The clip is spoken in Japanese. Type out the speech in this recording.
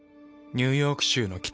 ニューヨーク州の北。